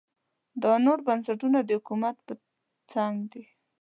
دا نور بنسټونه د حکومت په څنګ دي.